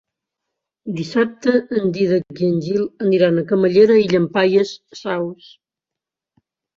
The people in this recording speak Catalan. Dissabte en Dídac i en Gil aniran a Camallera i Llampaies Saus.